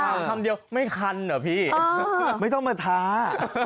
เอาทำเดียวไม่คันหรอพี่เอ่อไม่ต้องมาทา